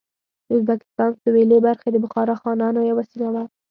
د ازبکستان سوېلې برخې د بخارا خانانو یوه سیمه وه.